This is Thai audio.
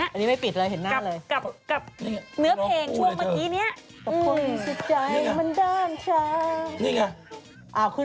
อันนี้ไม่ปิดเลยเห็นหน้าเลย